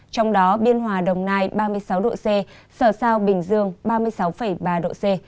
trong đó biên hòa đồng nai ba mươi sáu độ c sở sao bình dương ba mươi sáu ba độ c